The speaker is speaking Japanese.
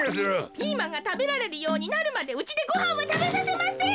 ピーマンがたべられるようになるまでうちでごはんはたべさせません！